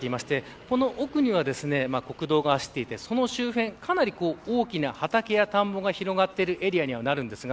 この奥には国道が走っていてその周辺、かなり大きな畑や田んぼが広がっているエリアです。